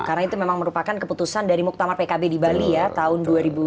karena itu memang merupakan keputusan dari muktamar pkb di bali ya tahun dua ribu sembilan belas